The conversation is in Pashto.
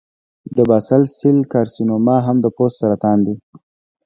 د باسل سیل کارسینوما هم د پوست سرطان دی.